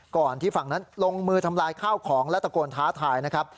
ก่อนที่ฝั่งนั้นลงมือทำลายข้าวของและตะโกนท้าทายนะครับ